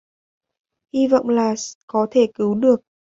Hi vọng là có thể cứu được